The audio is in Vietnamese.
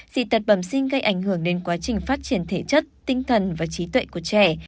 dị tật bẩm sinh gây ảnh hưởng đến quá trình phát triển thể chất tinh thần và trí tuệ của trẻ